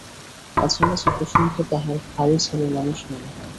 মাঝে মাঝে কুসুমকে তাহার ভারি ছেলেমানুষ মনে হয়।